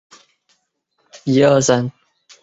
白皮柳为杨柳科柳属的植物。